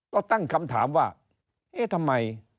ก็ตั้งคำถามว่าเอ๊ะทำไม